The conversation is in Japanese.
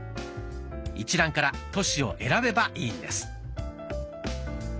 一覧から都市を選べばいいんです。